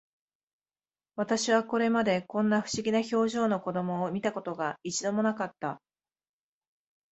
私はこれまで、こんな不思議な表情の子供を見た事が、一度も無かった